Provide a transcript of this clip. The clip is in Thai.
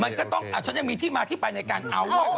มันก็ต้องอ่ะฉันจะมีที่มาที่ไปในการเอา